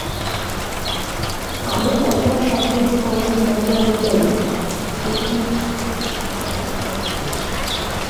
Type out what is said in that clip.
আলোক অথবা শব্দের স্পন্দনমাত্রা অনুযায়ী এই তিনটি স্তরের বিষয় অবগত হওয়া যায়।